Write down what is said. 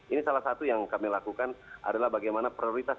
ini salah satu yang kami lakukan adalah bagaimana prioritas